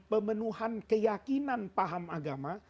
pemenuhan keyakinan paham agama